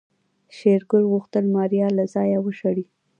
شېرګل غوښتل ماريا له ځايه وشړي.